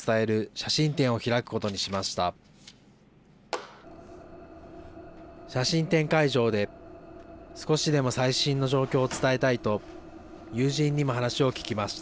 写真展会場で少しでも最新の状況を伝えたいと友人にも話を聞きました。